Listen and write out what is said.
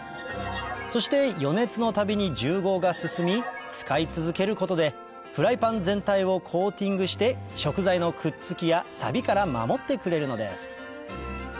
そして予熱のたびに重合が進み使い続けることでフライパン全体をコーティングして食材のくっつきやさびから守ってくれるのです